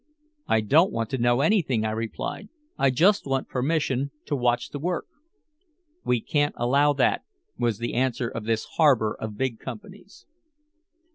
"I don't want to know anything," I replied. "I just want permission to watch the work." "We can't allow that," was the answer of this harbor of big companies.